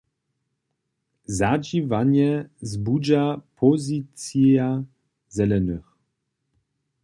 Zadźiwanje zbudźa pozicija Zelenych.